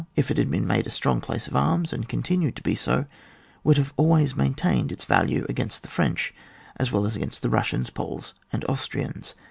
if it had been made a strong place of arms, and continued to be so, would have al ways maintained its value against the French, as well as against the Hussians, Poles, and Austrians.